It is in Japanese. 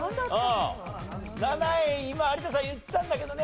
７位今有田さん言ってたんだけどね。